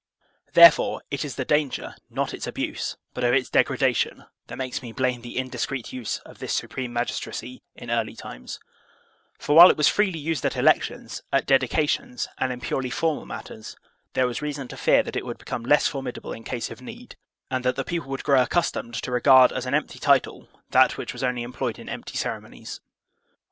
Therefore it is the danger, not its abuse, but of its degradation, that makes me blame the indiscreet use of this supreme magistracy in early times; for while it was freely used at elections, at dedications, and in purely formal matters, there was reason to fear that it would become less formidable in case of need, and that the people would grow accustomed to regard as an empty title that which was only employed in empty ceremonies.